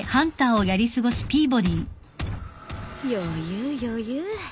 余裕余裕。